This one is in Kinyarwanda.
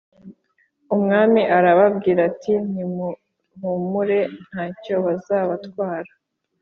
umwami arababwira ati: «nirnuhumure nta cyo bazabatwara !»